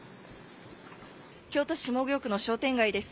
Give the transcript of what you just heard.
京都市下京区の商店街です。